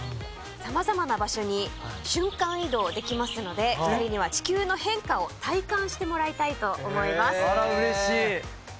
様々な場所に瞬間移動できますので２人には地球の変化を体感してもらいたいと思います。